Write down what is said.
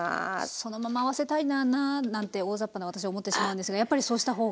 「そのまま合わせたいなあ」なんて大ざっぱな私は思ってしまうんですがやっぱりそうした方が。